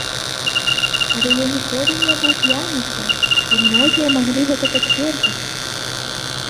Але я ніколі не быў п'яніцам, і многія маглі гэта пацвердзіць.